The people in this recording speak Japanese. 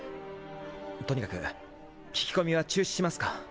とにかく聞き込みは中止しますか？